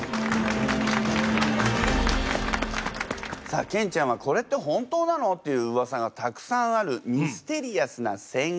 さあケンちゃんは「これって本当なの？」っていうウワサがたくさんあるミステリアスな戦国武将。